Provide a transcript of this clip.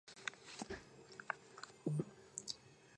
უღელტეხილთან დაკავშირებულია საბაგიროთი.